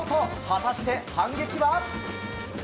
果たして、反撃は？